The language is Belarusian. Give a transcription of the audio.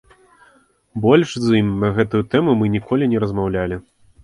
Больш з ім на гэтую тэму мы ніколі не размаўлялі.